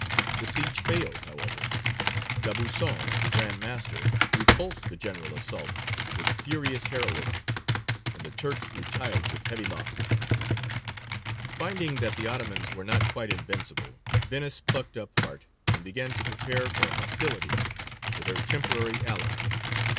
The siege failed, however; D'Aubusson, the Grand Master, repulsed the general assault with furious heroism, and the Turks retired with heavy loss. Finding that the Ottomans were not quite invincible, Venice plucked up heart, and began to prepare for hostilities with her temporary ally.